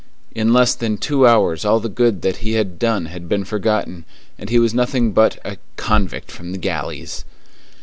In less than two hours all the good that he had done had been forgotten, and he was nothing but a "convict from the galleys."